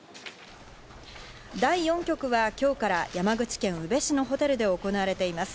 第４局は今日から山口県宇部市のホテルで行われています。